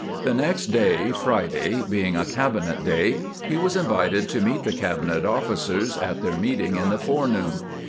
The next day (Friday) being a cabinet day, he was invited to meet the cabinet officers at their meeting in the forenoon.